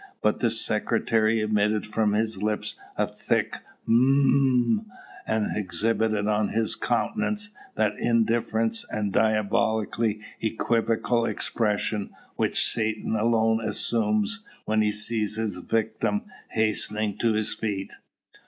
But the secretary emitted from his lips a thick "Hm," and exhibited on his countenance that indifferent and diabolically equivocal expression which Satan alone assumes when he sees his victim hastening to his feet.